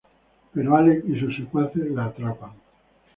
Pero Alex y sus secuaces la atrapan.